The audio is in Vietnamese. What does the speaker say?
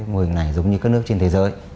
mô hình này giống như các nước trên thế giới